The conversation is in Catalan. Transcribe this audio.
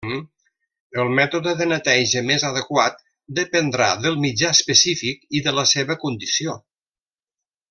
El mètode de neteja més adequat dependrà del mitjà específic i de la seva condició.